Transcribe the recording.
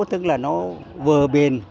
tức là nó vừa bền